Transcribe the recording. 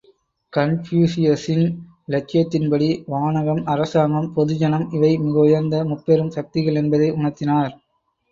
கன்பூசியசின் இலட்சியத்தின்படி, வானகம், அரசாங்கம், பொதுஜனம் இவை மிக உயர்ந்த முப்பெரும் சக்திகள் என்பதை உணர்த்தினார்.